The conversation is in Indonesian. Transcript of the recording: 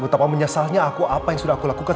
betapa menyesalnya aku apa yang sudah aku lakukan